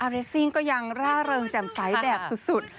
เรสซิ่งก็ยังร่าเริงแจ่มใสแบบสุด